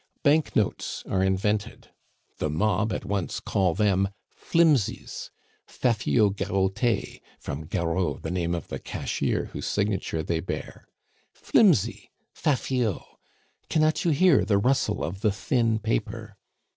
Banknotes are invented; the "mob" at once call them Flimsies (fafiots garotes, from "Garot," the name of the cashier whose signature they bear). Flimsy! (fafiot.) Cannot you hear the rustle of the thin paper?